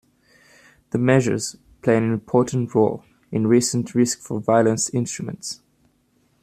The measures play an important role in recent risk-for-violence instruments.